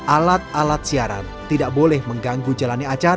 alat alat siaran tidak boleh mengganggu jalannya acara